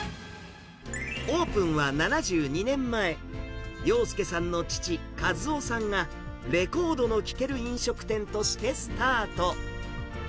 オープンは７２年前、洋介さんの父、一男さんがレコードの聴ける飲食店としてスタート。